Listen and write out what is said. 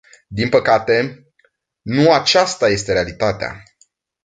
Din păcate, nu aceasta este realitatea.